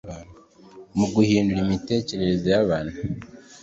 mu guhindura imitekerereze y'abantu